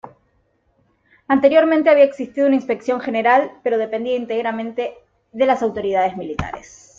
Anteriormente había existido una Inspección General, pero dependía íntegramente de las autoridades militares.